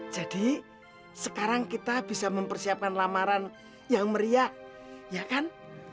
jadi sekarang kita bisa mempersiapkan lamaran yang meriah ya kan